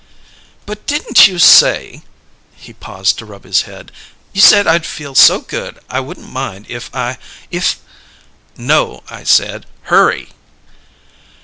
"But didn't you say " He paused to rub his head. "You said I'd feel so good I wouldn't mind if I if " "No. I said, 'Hurry'!"